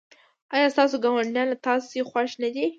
ایا ستاسو ګاونډیان له تاسو خوښ نه دي؟